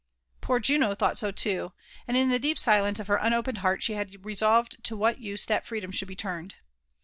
Poor Juno thought soioo; and in the deep silence of her unopened heart she had resolved to what use that freedom should be turned.